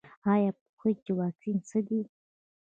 ایا پوهیږئ چې واکسین څه دی؟